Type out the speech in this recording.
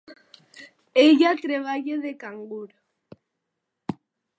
Ella treballa de cangur.